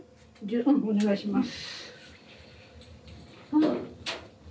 うんお願いします。